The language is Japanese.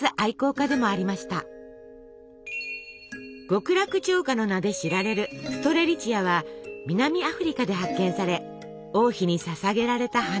「極楽鳥花」の名で知られるストレリチアは南アフリカで発見され王妃にささげられた花。